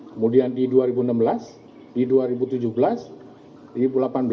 kemudian di dua ribu enam belas di dua ribu tujuh belas